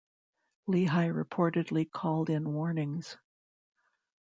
Lehi reportedly called in warnings.